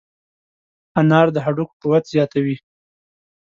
انار د هډوکو قوت زیاتوي.